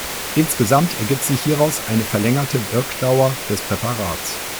Insgesamt ergibt sich hieraus eine verlängerte Wirkdauer des Präparats.